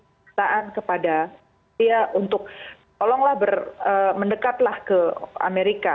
perasaan kepada dia untuk tolonglah mendekatlah ke amerika